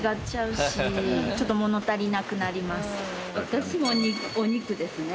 私もお肉ですね。